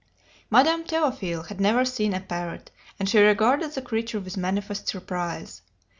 Madame Théophile had never seen a parrot, and she regarded the creature with manifest surprise.